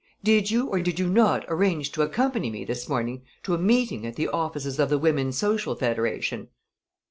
Did you or did you not arrange to accompany me this morning to a meeting at the offices of the Women's Social Federation?"